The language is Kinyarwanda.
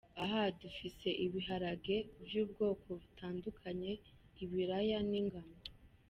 ' aha dufise ibiharage vy’ubwoko butandukanye, ibiraya n’ingano '.